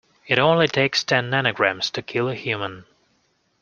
It only takes ten nanograms to kill a human.